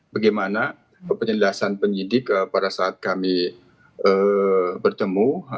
bagaimana penyelidikan penyelidik pada saat kami bertemu